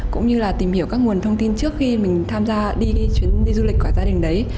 cũng như là tìm hiểu các nguồn thông tin trước khi mình tham gia đi cái chuyến đi du lịch của gia đình đấy